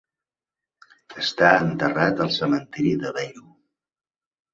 Està enterrat al cementiri de Bellu.